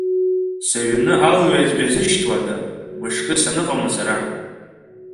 Сыҩны алҩаҵә ҩазышьҭуада, мышкы саныҟамла сара?